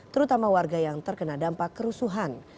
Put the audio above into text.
terutama warga yang terkena dampak kerusuhan